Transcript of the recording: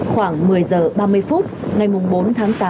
khoảng một mươi h ba mươi phút ngày bốn tháng tám